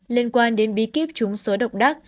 liên quan đến bí kíp trúng số độc đắc